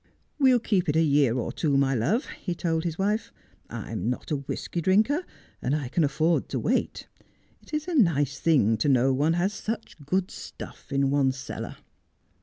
' "We'll keep it a year or two, my love,' he told his wife. ' I am not a whisky drinker, and I can afford to wait. It is a nice thing to know one has such good stuff in one's cellar.'